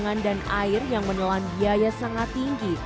pangan dan air yang menelan biaya sangat tinggi